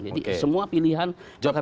jadi semua pilihan pekerjaan